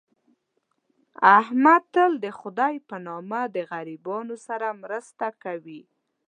احمد تل دخدی په نامه د غریبانو سره مرسته کوي.